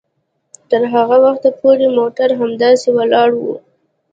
تر هغه وخته پورې موټر همداسې ولاړ وي